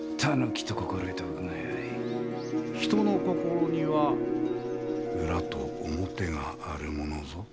人の心には裏と表があるものぞ。